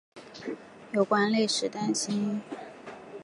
有官吏担心未经批准开粮仓会被追究而提出先上奏朝廷。